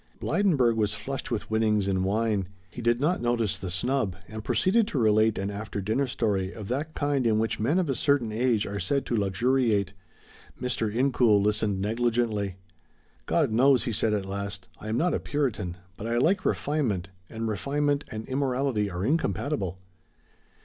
Blydenburg was flushed with winnings and wine. He did not notice the snub and proceeded to relate an after dinner story of that kind in which men of a certain age are said to luxuriate. Mr. Incoul listened negligently. "God knows," he said at last, "I am not a Puritan, but I like refinement, and refinement and immorality are incompatible."